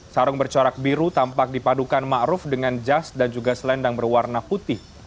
sarung bercorak biru tampak dipadukan ma'ruf dengan jas dan juga selendang berwarna putih